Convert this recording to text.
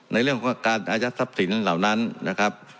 ในเรื่องของการอายัดทรัพย์สินเหล่านั้นนะครับ